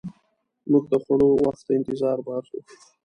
موږ د خوړو وخت ته انتظار باسو.